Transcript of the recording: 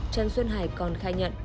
trần xuân hải còn khai nhận